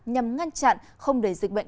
nhằm ngăn chặn không để dịch bệnh